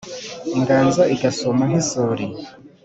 inganzo igasuma nk’isuri